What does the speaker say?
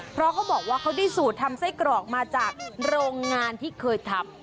เพราะเขาบอกว่าเขาได้สูตรทำไส้กรอกมาจากโรงงานที่เคยทำ